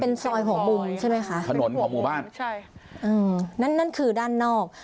เป็นซอยของมุมใช่ไหมคะถนนของหมู่บ้านใช่อืมนั่นนั่นคือด้านนอก